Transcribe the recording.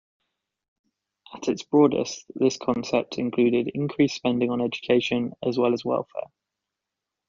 At its broadest this concept included increased spending on education as well as welfare.